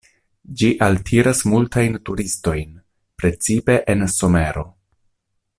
Ĝi altiras multajn turistojn, precipe en somero.